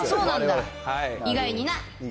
そうなんだ、意外にな。